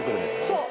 そう。